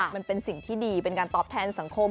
มันเป็นสิ่งที่ดีเป็นการตอบแทนสังคม